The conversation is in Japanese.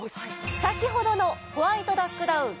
先ほどのホワイトダックダウン